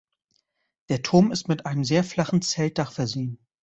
Der Turm ist mit einem sehr flachen Zeltdach versehen.